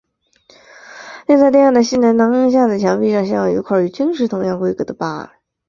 另在殿外的西南廊下的墙壁上镶有一块与经石同样规格的跋。